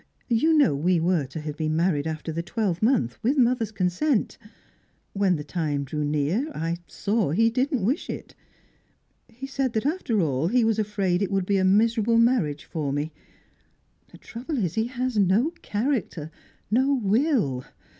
You know we were to have been married after the twelvemonth, with mother's consent. When the time drew near, I saw he didn't wish it. He said that after all he was afraid it would be a miserable marriage for me. The trouble is, he has no character, no will.